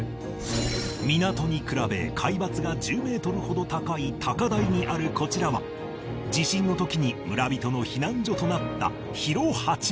港に比べ海抜が１０メートルほど高い高台にあるこちらは地震の時に村人の避難所となった廣八幡宮